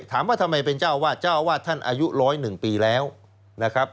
ถามว่าทำไมเป็นเจ้าวาดเจ้าอาวาสท่านอายุ๑๐๑ปีแล้วนะครับ